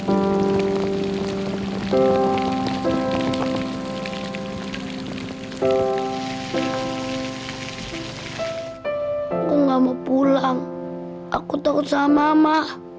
aku gak mau pulang aku takut sama mah